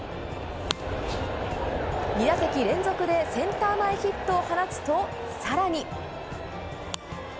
２打席連続でセンター前ヒットを放つと、さらに。